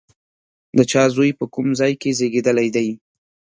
د چا زوی، په کوم ځای کې زېږېدلی دی؟